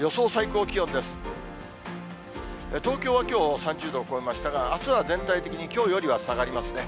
東京はきょう、３０度を超えましたが、あすは全体的にきょうよりは下がりますね。